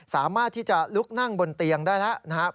สามารถที่จะลุกนั่งบนเตียงได้แล้วนะครับ